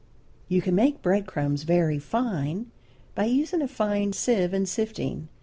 You can make bread crumbs very fine by using a fine sieve and sifting.